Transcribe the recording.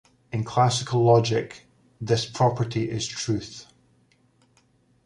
In classical logic, this property is truth.